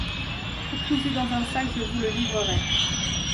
Tout cousu dans un sac, je vous le livrerai.